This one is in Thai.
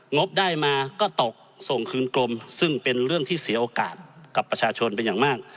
งบได้มาก็ตกส่งคืนกรมซึ่งเป็นเรื่องที่เสียโอกาสกับประชาชนเป็นอย่างมาก